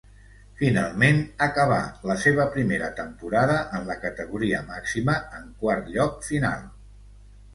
Finalment, acabà la seva primera temporada en la categoria màxima en quart lloc final.